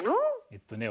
えっとね